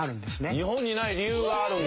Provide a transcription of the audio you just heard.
日本にない理由があるんだ。